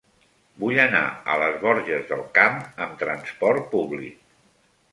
Vull anar a les Borges del Camp amb trasport públic.